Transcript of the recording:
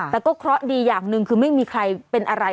แต่ก็เคราะห์ดีอย่างหนึ่งคือไม่มีใครเป็นอะไร